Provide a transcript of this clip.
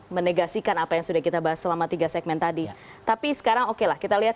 menegasikan apa yang sudah kita bahas selama tiga segmen tadi tapi sekarang okelah kita lihat